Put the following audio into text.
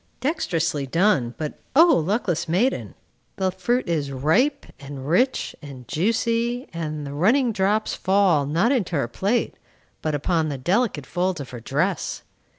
Dexterously done; but O luckless maiden! the fruit is ripe, and rich, and juicy, and the running drops fall, not into her plate, but upon the delicate folds of her dress.